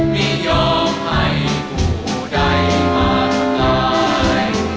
ไม่ยอมให้ผู้ใดมาตลกลาย